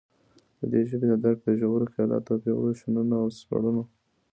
ددي ژبي ددرک دژورو خیالاتو او پیاوړو شننو او سپړنو